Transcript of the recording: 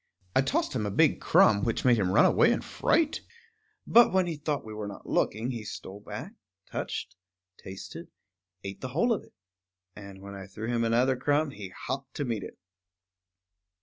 I tossed him a big crumb, which made him run away in fright; but when he thought we were not looking he stole back, touched, tasted, ate the whole of it. And when I threw him another crumb, he hopped to meet it.